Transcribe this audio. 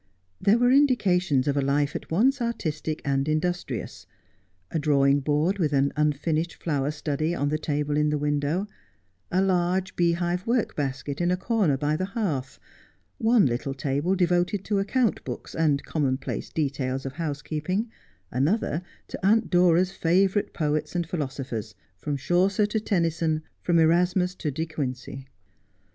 There were indica tions of a life at once artistic and industrious — a drawing board with an unfinished flower study on the table in the window, a large bee hive work basket in a corner by the hearth, one little table devoted to account books and the common place details of house keeping, another to Aunt Dora's favourite poets and philo sophers, from Chaucer to Tennyson, from Erasmus to De Quincey.